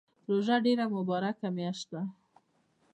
روژه ډیره مبارکه میاشت ده